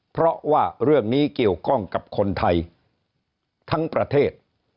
เพราะว่าเรื่องนี้เกี่ยวข้องกับคนไทยทั้งประเทศ